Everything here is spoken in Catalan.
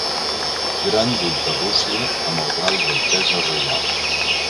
Gran duc de Rússia amb el grau d'altesa reial.